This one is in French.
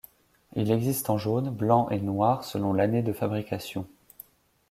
Il existe en jaune, blanc et noir selon l'année de fabrication.